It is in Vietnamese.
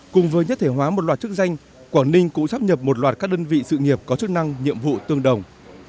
cùng với nhất thể hóa một loạt chức danh quảng ninh cũng sắp nhập một loạt các đơn vị sự nghiệp có chức năng nhiệm vụ tương đồng